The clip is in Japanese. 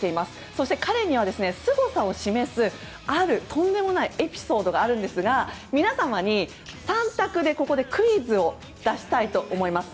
そして彼にはすごさを示すあるとんでもないエピソードがあるんですが皆様に３択でクイズを出したいと思います。